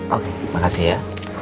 oke makasih ya